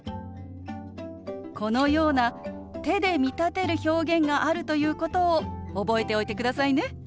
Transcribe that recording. このような手で見立てる表現があるということを覚えておいてくださいね。